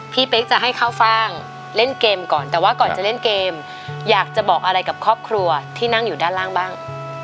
เป๊กจะให้ข้าวฟ่างเล่นเกมก่อนแต่ว่าก่อนจะเล่นเกมอยากจะบอกอะไรกับครอบครัวที่นั่งอยู่ด้านล่างบ้าง